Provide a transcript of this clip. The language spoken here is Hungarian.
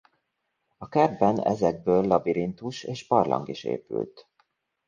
A kertben ezekből labirintus és barlang is épült.